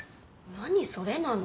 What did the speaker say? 何それなの。